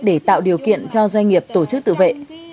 để tạo điều kiện cho doanh nghiệp tổ chức tự vệ